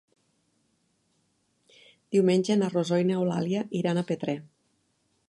Diumenge na Rosó i n'Eulàlia iran a Petrer.